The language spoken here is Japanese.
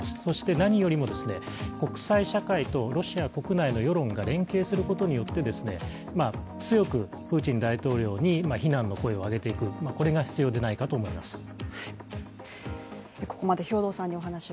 そして何よりも国際社会とロシア国内の世論が連携することによって強くプーチン大統領に非難の声を上げていく、これが必要ではないかと思います。